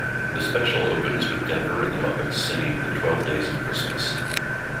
The special opens with Denver and the Muppets singing "The Twelve Days of Christmas".